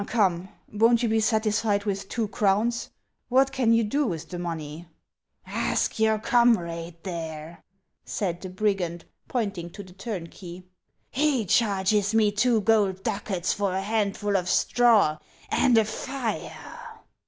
" Come, won't you be satisfied with two crowns ? What can you do with the money ?"'• Ask your comrade there," said the brigand, pointing to the turnkey ;" he charges me two gold ducats for a handful of straw and a fire."